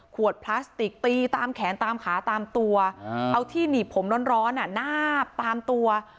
ขวดพลาสติกตีตามแขนตามขาตามตัวเอาที่หนีบผมร้อนนาบตามตัว